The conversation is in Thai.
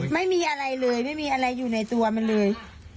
ไม่มีอะไรเลยไม่มีอะไรอยู่ในตัวมันเลย